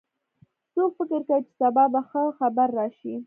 څوک فکر کوي چې سبا به ښه خبر راشي